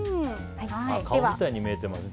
顔みたいに見えてますね。